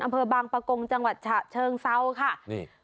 อำเภอบางปะกงจังหวัดฉะเชิงเซาค่ะนี่